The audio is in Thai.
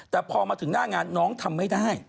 แต่พอมาถึงหน้างานน้องทำไม่ได้